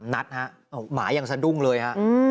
นัดฮะหมายังสะดุ้งเลยฮะ